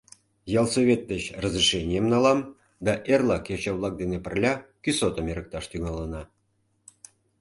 — Ялсовет деч разрешенийым налам, да эрлак йоча-влак дене пырля кӱсотым эрыкташ тӱҥалына.